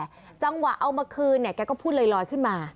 แต่จังหวะเอามาคืนเนี่ยแกก็พูดลอยขึ้นมา